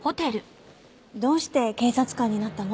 どうして警察官になったの？